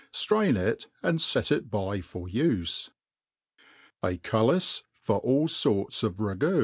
Strain it, and fet it by for ufe. •'^ A Cullis for all Sorts of Ragoo.